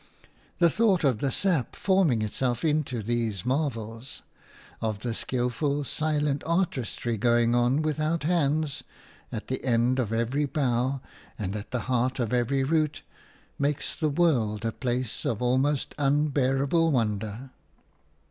The thought of the sap forming itself into these marvels, of the skilful, silent artistry going on without hands at the end of every bough and at the heart of every root makes the world a place of almost unbearable wonder.